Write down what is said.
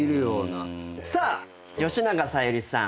さあ吉永小百合さん